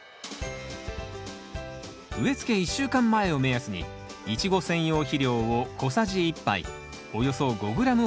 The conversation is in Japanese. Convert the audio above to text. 植えつけ１週間前を目安にイチゴ専用肥料を小さじ１杯およそ５ｇほど混ぜましょう。